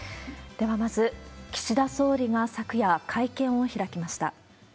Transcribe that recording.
ではまず、岸田総理が昨夜、会見を開きました。